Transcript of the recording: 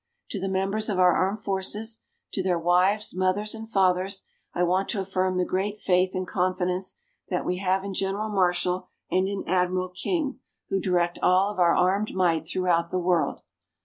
To the members of our armed forces, to their wives, mothers and fathers, I want to affirm the great faith and confidence that we have in General Marshall and in Admiral King who direct all of our armed might throughout the world.